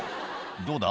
「どうだ？